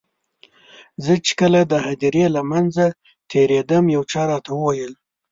زه چې کله د هدیرې له منځه تېرېدم یو چا راته وویل.